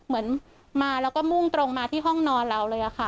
เหมือนมาแล้วก็มุ่งตรงมาที่ห้องนอนเราเลยค่ะ